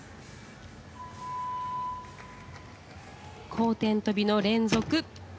後転とびの連続。